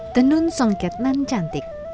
tenun songket nan cantik